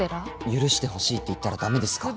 許してほしいって言ったらだめですか？